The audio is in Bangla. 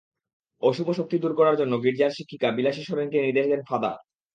অশুভ শক্তি দূর করার জন্য গির্জার শিক্ষিকা বিলাসী সরেনকে নির্দেশ দেন ফাদার।